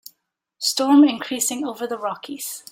Storm increasing over the Rockies.